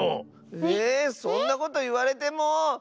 えそんなこといわれても！